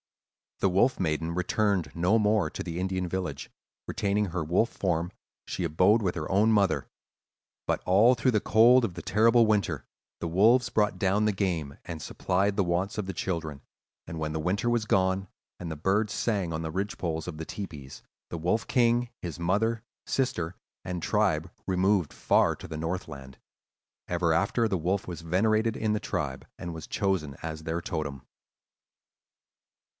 "The Wolf Maiden returned no more to the Indian village; retaining her wolf form, she abode with her own mother. But all through the cold of the terrible winter, the wolves brought down the game, and supplied the wants of the children; and when the winter was gone, and the birds sang on the ridgepoles of the tepees, the Wolf King, his mother, sister, and tribe removed far to the north land. Ever after, the wolf was venerated in the tribe and was chosen as their totem."